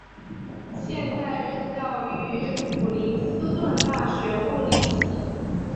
现在任教于普林斯顿大学物理系。